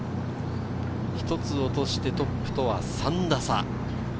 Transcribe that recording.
一つ落としてトップとは３打差。